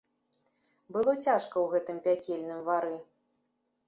Было цяжка ў гэтым пякельным вары.